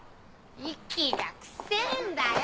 息がくせぇんだよ！